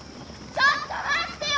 ちょっと待ってよ